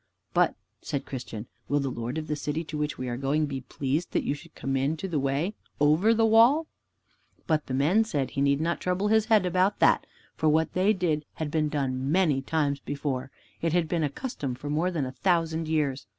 "But," said Christian, "will the Lord of the City to which we are going be pleased that you should come into the way over the wall?" But the men said he need not trouble his head about that, for what they did had been done many times before. It had been a custom for more than a thousand years.